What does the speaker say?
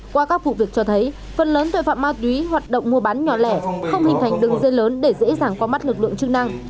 qua các vụ việc cho thấy phần lớn tội phạm ma túy hoạt động mua bán nhỏ lẻ không hình thành đường dây lớn để dễ dàng qua mắt lực lượng chức năng